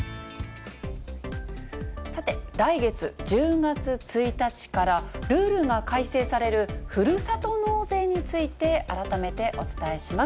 さて、来月１０月１日からルールが改正されるふるさと納税について、改めてお伝えします。